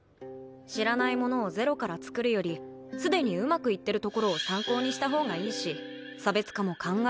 知らないものをゼロからつくるよりすでにうまくいってる所を参考にしたほうがいいし差別化も考えやすい。